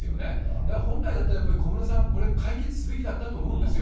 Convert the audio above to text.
だから本来だったら小室さん、これ、解決すべきだったと思うんですよ。